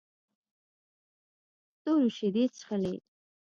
ستورو شیدې چښلې